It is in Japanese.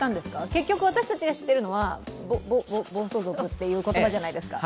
結局、私たちが知ってるのは暴走族という言葉じゃないですか。